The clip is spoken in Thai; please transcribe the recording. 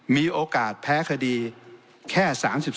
มีโอกาสแพ้คดีแค่๓๒